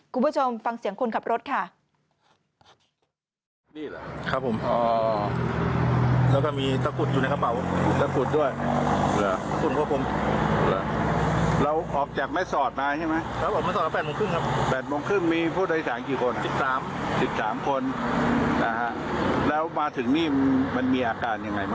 คุณผู้ชมฟังเสียงคนขับรถค่ะ